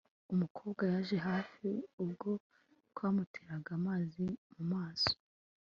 umukobwa yaje hafi ubwo twamuteraga amazi mumaso